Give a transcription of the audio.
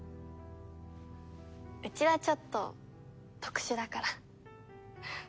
うちはちょっと特殊だから。